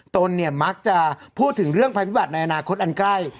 ตนเนี่ยมักจะพูดถึงเรื่องภัยพิบัติในอนาคตอันใกล้